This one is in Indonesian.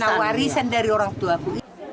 nah warisan dari orang tuaku